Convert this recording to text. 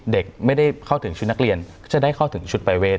เด็กไม่ได้เข้าถึงชุดนักเรียนจะได้เข้าถึงชุดปรายเวท